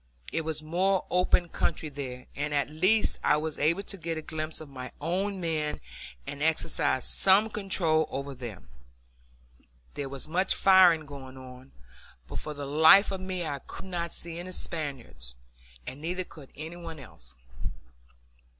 It was more open country here, and at least I was able to get a glimpse of my own men and exercise some control over them. There was much firing going on, but for the life of me I could not see any Spaniards, and neither could any one else.